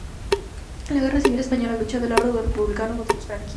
En la Guerra Civil Española luchó del lado republicano contra los franquistas.